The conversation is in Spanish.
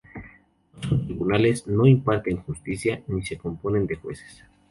No son Tribunales, no imparten Justicia, ni se componen de jueces.